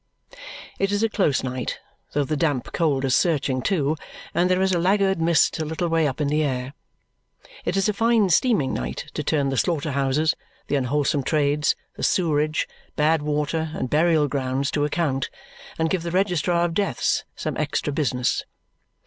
It is a close night, though the damp cold is searching too, and there is a laggard mist a little way up in the air. It is a fine steaming night to turn the slaughter houses, the unwholesome trades, the sewerage, bad water, and burial grounds to account, and give the registrar of deaths some extra business.